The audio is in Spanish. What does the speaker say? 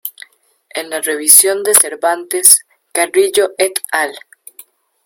En la revisión de Cervantes-Carrillo et al.